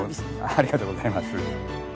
ありがとうございます。